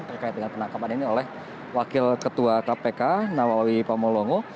terkait dengan penangkapan ini oleh wakil ketua kpk nawawi pamolongo